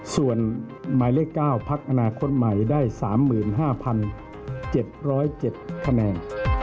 ส่วนหมายเลข๙พักอนาคตใหม่ได้๓๕๗๐๗คะแนน